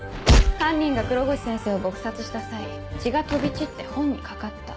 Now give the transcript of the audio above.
犯人が黒越先生を撲殺した際血が飛び散って本にかかった。